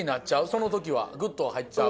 その時はグッとは入っちゃう？